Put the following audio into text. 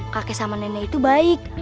kakek sama nenek itu baik